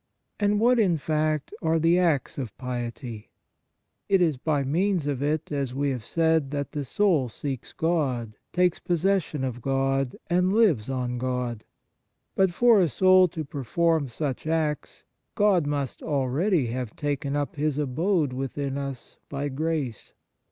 And what, in fact, are the acts of piety ? It is by means of it, as we have said, that the soul seeks God, takes possession of God, and lives on God. But for a soul to perform such acts, God must already have taken up His abode within us by grace.